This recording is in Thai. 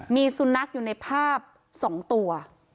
มีสูนักอยู่ในภาพสองตัว